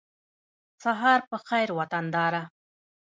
سهار په خېر وطنداره